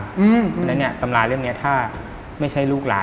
เพราะฉะนั้นตำราเล่มนี้ถ้าไม่ใช่ลูกหลาน